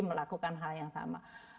melakukan hal yang sama